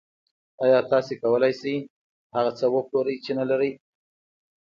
آیا تاسو کولی شئ هغه څه وپلورئ چې نلرئ